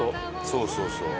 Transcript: そうそうそう。